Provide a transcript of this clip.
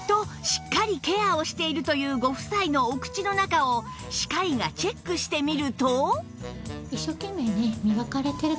しっかりケアをしているというご夫妻のお口の中を歯科医がチェックしてみると？